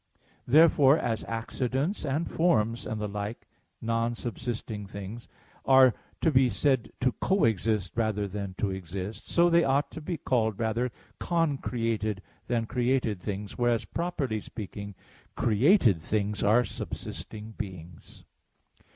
Therefore, as accidents and forms and the like non subsisting things are to be said to co exist rather than to exist, so they ought to be called rather "concreated" than "created" things; whereas, properly speaking, created things are subsisting beings.